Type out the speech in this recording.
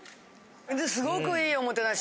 すごく良いおもてなし。